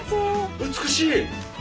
美しい！